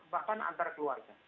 bahkan antar keluarga